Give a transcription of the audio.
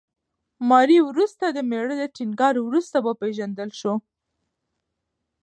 ماري وروسته د مېړه د ټینګار وروسته وپېژندل شوه.